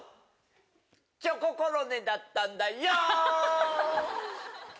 チョココロネだったんだよん。